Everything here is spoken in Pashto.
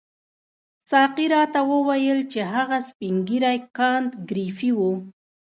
ساقي راته وویل چې هغه سپین ږیری کانت ګریفي وو.